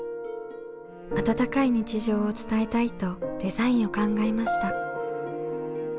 温かい日常を伝えたいとデザインを考えました。